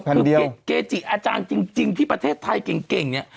แผ่นเดียวเกจิอาจารย์จริงจริงที่ประเทศไทยเก่งเก่งเนี้ย